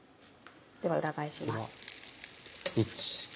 では裏返します。